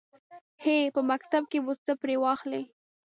_هه! په مکتب کې به څه پرې واخلې.